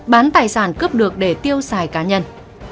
bán tài sản cướp được để tiêu xài cá nhân